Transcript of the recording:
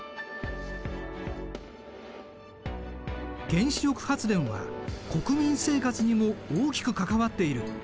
原子力発電は国民生活にも大きく関わっている。